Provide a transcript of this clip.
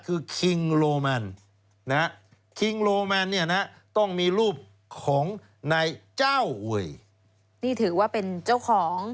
คือนะฮะเนี่ยนะฮะต้องมีรูปของนายเจ้าเวยนี่ถือว่าเป็นเจ้าของ